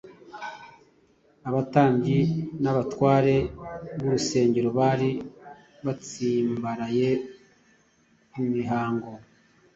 Abatambyi n’abatware b’urusengero bari batsimbaraye ku mihango